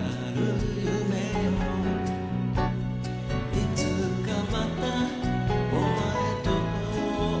「いつかまたお前と会おう」